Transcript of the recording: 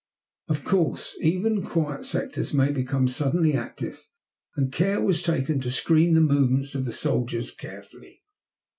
Of course, even quiet sectors may become suddenly active, and care was taken to screen the movements of the soldiers carefully.